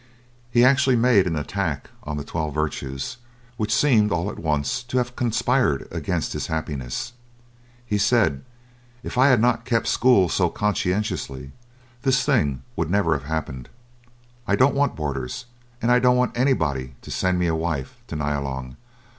He actually made an attack on the twelve virtues, which seemed all at once to have conspired against his happiness. He said: "If I had not kept school so conscientiously, this thing would never have happened. I don't want boarders, and I don't want anybody to send me a wife to Nyalong.